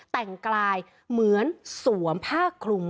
แต่งกายเหมือนสวมผ้าคลุม